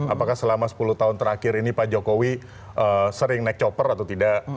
apakah selama sepuluh tahun terakhir ini pak jokowi sering naik chopper atau tidak